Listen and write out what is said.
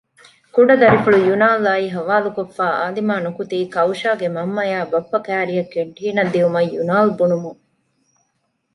ކުޑަ ދަރިފުޅު ޔުނާލްއާއި ހަވާލުކޮށްފައި އާލިމާ ނުކުތީ ކައުޝާގެ މަންމައާއި ބައްޕަ ކައިރިއަށް ކެންޓީނަށް ދިޔުމަށް ޔުނާލް ބުނުމުން